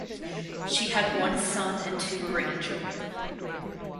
She had one son and two grandchildren.